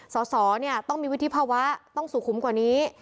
สอสอต้องมีวุฒิภาวะต้องสุขุมกว่านี้